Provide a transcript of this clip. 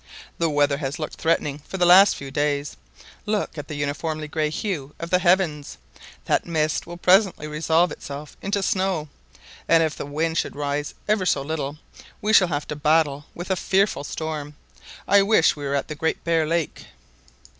"The weather has looked threatening for the last few days. Look at the uniformly grey hue of the heavens. That mist will presently resolve itself into snow; and if the wind should rise ever so little, we shall have to battle with a fearful storm. I wish we were at the Great Bear Lake